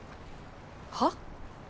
はっ？